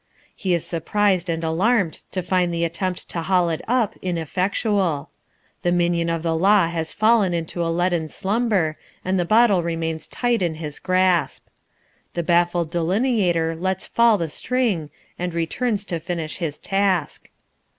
He is surprised and alarmed to find the attempt to haul it up ineffectual. The minion of the law has fallen into a leaden slumber, and the bottle remains tight in his grasp. The baffled delineator lets fall the string and returns to finish his task.